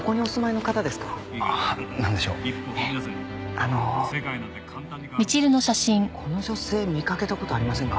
あのこの女性見かけた事ありませんか？